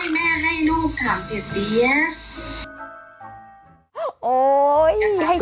ไม่ใช่แม่ให้ลูกถามเพียบเบียบ